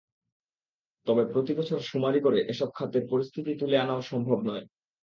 তবে প্রতিবছর শুমারি করে এসব খাতের পরিস্থিতি তুলে আনাও সম্ভব নয়।